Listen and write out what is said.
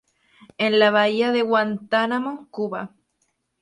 En la Bahía de Guantánamo, Cuba.